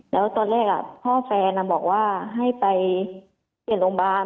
แล้วตอนแรกพ่อแฟนบอกว่าให้ไปเปลี่ยนโรงพยาบาล